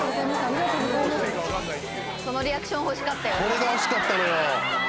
これが欲しかったのよ。